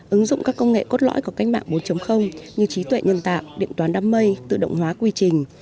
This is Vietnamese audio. ứng dụng các công nghệ cốt lõi của cách mạng bốn như trí tuệ nhân tạo điện toán đám mây tự động hóa quy trình